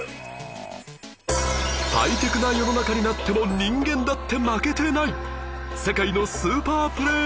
ハイテクな世の中になっても人間だって負けてない